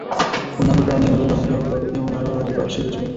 পূর্ণাঙ্গ প্রাণী অরীয় বা পঞ্চঅরীয় প্রতিসম, লার্ভা দ্বিপার্শ্বীয় প্রতিসম।